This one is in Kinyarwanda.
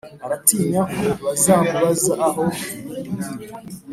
Aratinyako bazamubaza aho ibindi biri